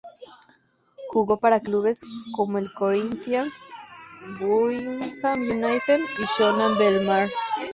Jugó para clubes como el Corinthians, Buriram United y Shonan Bellmare.